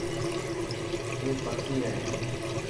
اي پکي هي.